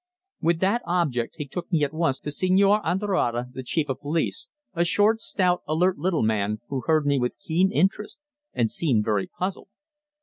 With that object he took me at once to Señor Andrade, the Chief of Police, a short, stout, alert little man, who heard me with keen interest and seemed very puzzled.